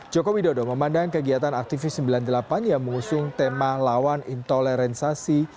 joko widodo memandang kegiatan aktivis sembilan puluh delapan yang mengusung tema lawan intoleransi